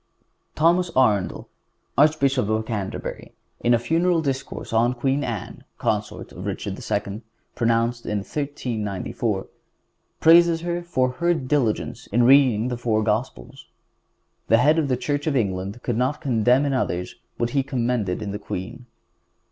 Thomas Arundel, Archbishop of Canterbury, in a funeral discourse on Queen Anne, consort of Richard II., pronounced in 1394, praises her for her diligence in reading the four Gospels. The Head of the Church of England could not condemn in others what he commended in the queen.